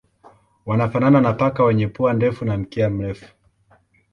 Wanafanana na paka wenye pua ndefu na mkia mrefu.